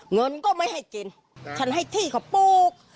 เงินก็ไม่ให้กินฉันให้ที่เขาปลูก